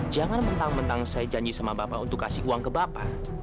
jangan mentang mentang saya janji sama bapak untuk kasih uang ke bapak